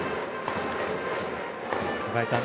中居さん